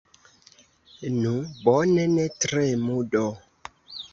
Nu, bone, ne tremu do!